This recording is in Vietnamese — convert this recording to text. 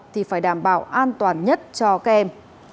thì phải đảm bảo an toàn nhất cho kèm